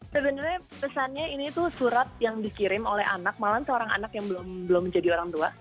sebenarnya pesannya ini tuh surat yang dikirim oleh anak malahan seorang anak yang belum menjadi orang tua